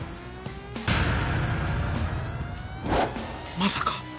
まさか！？